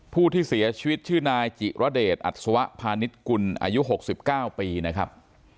ผู้ที่เสียชีวิตชื่อนายจิระเดชอัศวะพาณิชยกุลอายุ๖๙ปีนะครับ